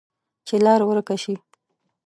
چې لار ورکه شي،